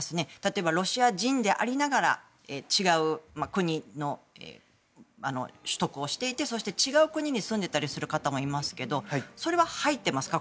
例えばロシア人でありながら違う国のを取得をしていてそして違う国に住んでいたりする方もいますがそれは入ってますか？